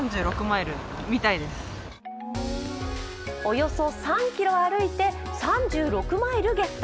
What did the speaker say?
およそ３ｋｍ歩いて３６マイルゲット。